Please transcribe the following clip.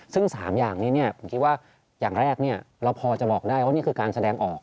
ซึ่ง๓อย่างนี้ผมคิดว่าอย่างแรกเราพอจะบอกได้ว่านี่คือการแสดงออก